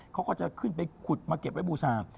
เขาก็จะขึ้นไปขุดมาเก็บไว้บูชา